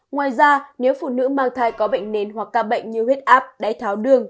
ngoài ra nếu phụ nữ mang thai có bệnh nến hoặc các bệnh như huyết áp đáy tháo đường